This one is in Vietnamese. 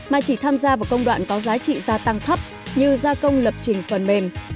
mà chỉ tham gia vào công đoạn có giá trị gia tăng thấp như gia công lập trình phần mềm